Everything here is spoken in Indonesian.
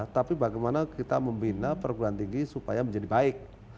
tapi bagaimana kita membina perguruan tinggi supaya menjadi baik